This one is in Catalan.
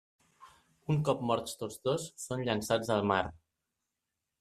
Un cop morts tots dos, són llançats al mar.